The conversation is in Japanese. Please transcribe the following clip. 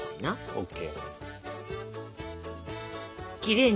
ＯＫ。